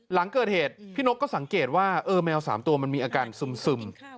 หลังเกิดเหตุพี่นกก็สังเกตว่าแมว๓ตัวมันมีอาการซึม